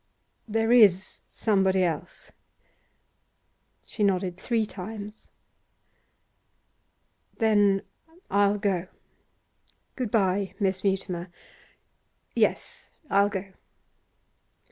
'There is somebody else?' She nodded three times. 'Then I'll go. Good bye, Miss Mutimer. Yes, I'll go.